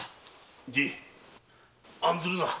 じい案ずるな。